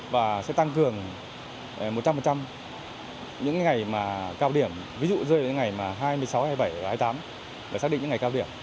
và sẽ tăng cường một trăm linh những ngày mà cao điểm ví dụ rơi những ngày hai mươi sáu hai mươi bảy hai mươi tám để xác định những ngày cao điểm